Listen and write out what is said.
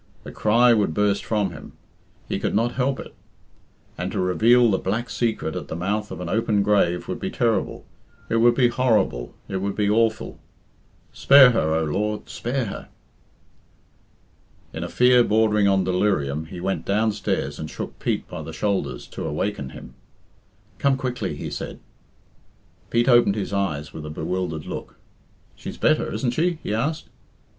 The cry would burst from him. He could not help it. And to reveal the black secret at the mouth of an open grave would be terrible, it would be horrible, it would be awful, "Spare her, O Lord, spare her!" In a fear bordering on delirium he went downstairs and shook Pete by the shoulders to awaken him. "Come quickly," he said. Pete opened his eyes with a bewildered look» "She's better, isn't she?" he asked.